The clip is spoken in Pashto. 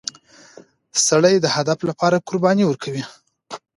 سړی د هدف لپاره قرباني ورکوي